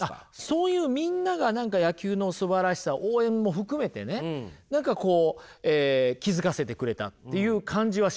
そういうみんなが何か野球のすばらしさ応援も含めてね気付かせてくれたっていう感じはしますよね。